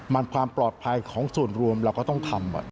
มันความปลอดภัยของส่วนรวมเราก็ต้องทำ